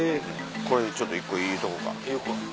これちょっと１個言うとこか。